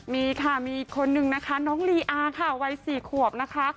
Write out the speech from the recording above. มีค่ะมีอีกคนนึงนะคะน้องลีอาค่ะวัย๔ขวบนะคะ